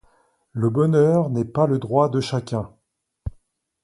Le bonheur n'est pas le droit de chacun